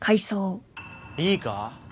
いいか？